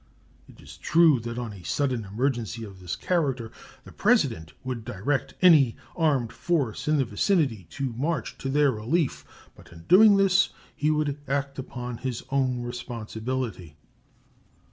It is true that on a sudden emergency of this character the President would direct any armed force in the vicinity to march to their relief, but in doing this he would act upon his own responsibility.